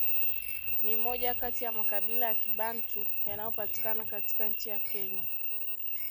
Ni moja kati ya makabila ya Kibantu yanayopatikana katika nchi ya Kenya